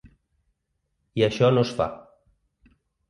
I això no es fa.